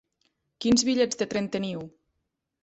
Quins bitllets de tren teniu?